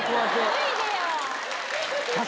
脱いでよ。